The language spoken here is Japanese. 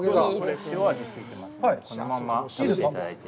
塩味がついてますのでこのまま食べていただいて。